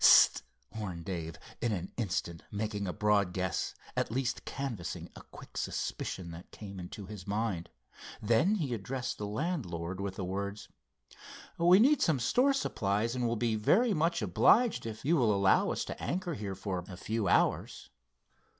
"S st!" warned Dave, in an instant making a broad guess, at least canvassing a quick suspicion that came into his mind. Then he addressed the landlord with the words: "We need some store supplies, and we'll be very much obliged if you will allow us to anchor here for a few hours."